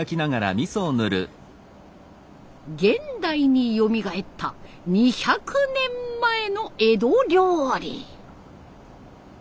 現代によみがえった２００年前の江戸料理。